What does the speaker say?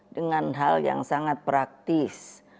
dengan hal yang sangat praktis